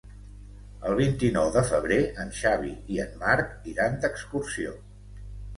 El vint-i-nou de febrer en Xavi i en Marc iran d'excursió.